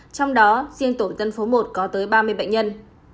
trong đó riêng tổ tân phố một có tới ba mươi bệnh nhân